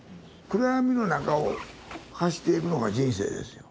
暗闇の中を走っていくのが人生ですよ。